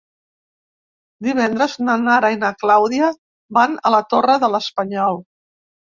Divendres na Nara i na Clàudia van a la Torre de l'Espanyol.